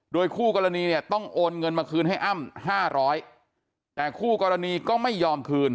คู่กรณีเนี่ยต้องโอนเงินมาคืนให้อ้ำห้าร้อยแต่คู่กรณีก็ไม่ยอมคืน